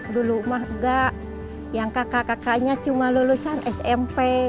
dulu mah enggak yang kakak kakaknya cuma lulusan smp